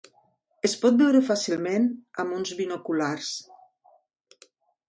Es pot veure fàcilment amb uns binoculars.